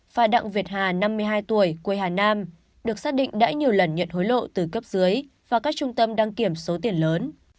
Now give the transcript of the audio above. và đặng việt hà năm mươi hai tuổi quê hà nam được xác định đã nhiều lần nhận hối lộ từ cấp dưới và các trung tâm đăng kiểm số tiền lớn